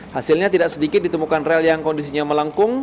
hasilnya tidak sedikit ditemukan rel yang kondisinya melengkung